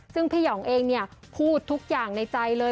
ซึ่งพี่หยองเองเนี่ยพูดทุกอย่างในใจเลย